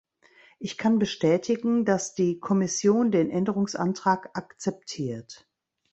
Ich kann bestätigen, dass die Kommission den Änderungsantrag akzeptiert.